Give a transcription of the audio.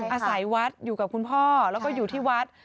อาศัยวัดอยู่กับคุณพ่อแล้วก็อยู่ที่วัด